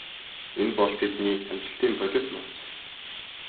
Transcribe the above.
Энэ бол тэдний амжилтын бодит нууц.